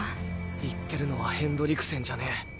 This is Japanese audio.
言ってるのはヘンドリクセンじゃねぇ。